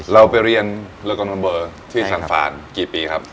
แล้วไปเรียนเรื่องการมันเบอร์ที่สานฟานกี่ปีครับ